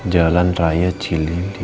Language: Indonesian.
jalan raya cilili